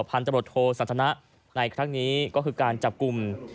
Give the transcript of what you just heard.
พันธบทโทสันทนะในครั้งนี้ก็คือการจับกลุ่ม